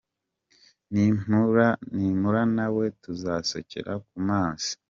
Nimpura nawe tuzasokera ku mazi.